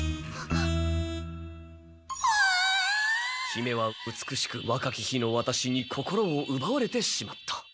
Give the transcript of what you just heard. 「姫は美しくわかき日のワタシに心をうばわれてしまった。